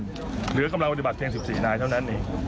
เดี๋ยวกำลังวิทย์บัตรเพียง๑๔นายเท่านั้นหนึ่ง